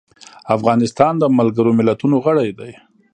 افغانستان د ملګرو ملتونو غړی دی.